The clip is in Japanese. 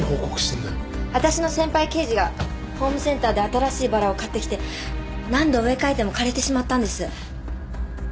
私の先輩刑事がホームセンターで新しいバラを買ってきて何度植え替えても枯れてしまったんです。